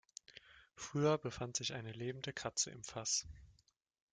Früher befand sich eine lebende Katze im Fass.